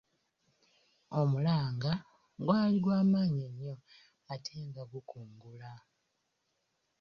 Omulanga gwali gwamanyi nnyo ate nga gukungula.